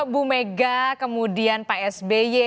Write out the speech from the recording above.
bu mega kemudian pak sby